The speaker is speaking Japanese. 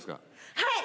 はい！